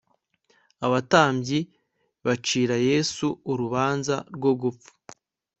abatambyi bacira yesu urubanza rwo gupfa